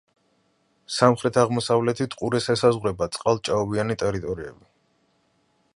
სამხრეთ-აღმოსავლეთით ყურეს ესაზღვრება წყალ-ჭაობიანი ტერიტორიები.